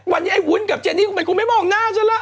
วันนี้ไอ้วุ้นกับเจนี่มันคงไม่มองหน้าฉันล่ะ